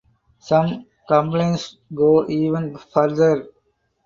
Some complaints go even further.